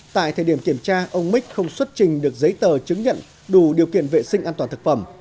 tại thời điểm kiểm tra ông mích không xuất trình được giấy tờ chứng nhận đủ điều kiện vệ sinh an toàn thực phẩm